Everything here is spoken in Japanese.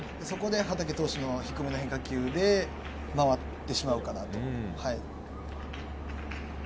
ここで畠投手の低めの変化球で回ってしまうかなと。